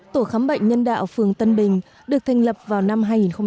tổ khám bệnh nhân đạo phường tân bình được thành lập vào năm hai nghìn chín